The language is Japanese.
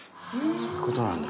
そういうことなんだ。